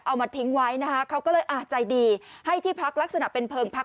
เอามาทิ้งไว้นะคะเขาก็เลยใจดีให้ที่พักลักษณะเป็นเพลิงพัก